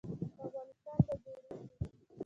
افغانستان به جوړیږي؟